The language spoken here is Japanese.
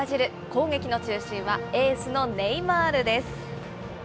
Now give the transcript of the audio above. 攻撃の中心はエースのネイマールです。